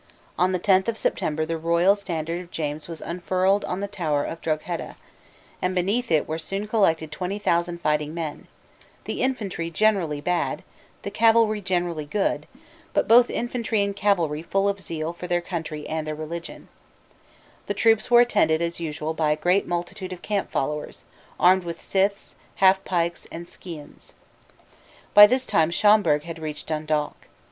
On the tenth of September the royal standard of James was unfurled on the tower of Drogheda; and beneath it were soon collected twenty thousand fighting men, the infantry generally bad, the cavalry generally good, but both infantry and cavalry full of zeal for their country and their religion, The troops were attended as usual by a great multitude of camp followers, armed with scythes, half pikes, and skeans. By this time Schomberg had reached Dundalk.